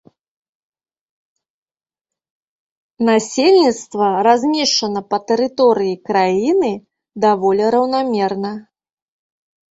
Насельніцтва размешчана па тэрыторыі краіны даволі раўнамерна.